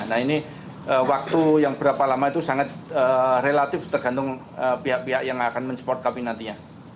nah ini waktu yang berapa lama itu sangat relatif tergantung pihak pihak yang akan men support kami nantinya